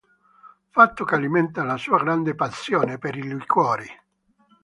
Fatto che alimenta la sua grande passione per i liquori.